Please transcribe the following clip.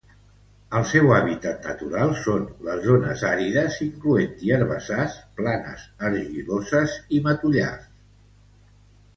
El seu hàbitat natural són les zones àrides, incloent-hi herbassars, planes argiloses i matollars.